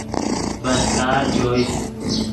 بدکار چوئے